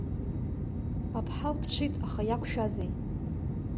Аԥҳал ԥҽит, аха иақәшәазеи?